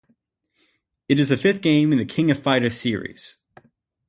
It is the fifth game in "The King of Fighters" series.